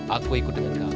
aku ikut dengan kamu